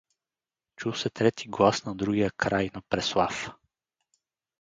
Чу се трети глас на другия край на Преслав.